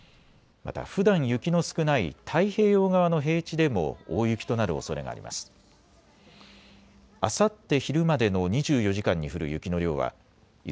またふだん雪の少ない太平洋側の平地でも大雪となるおそれがあります。